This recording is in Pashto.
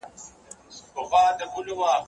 که وخت وي، خواړه ورکوم!.